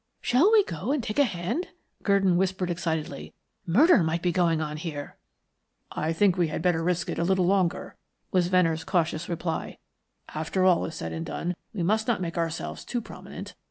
"Shall we go and take a hand?" Gurdon whispered excitedly. "Murder might be going on here." "I think we had better risk it a little longer," was Venner's cautious reply. "After all is said and done, we must not make ourselves too prominent.